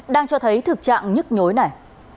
đang cho thấy thực trạng nhức nhối này